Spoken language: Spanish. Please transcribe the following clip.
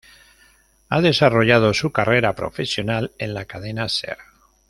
Ha desarrollado su carrera profesional en la Cadena Ser.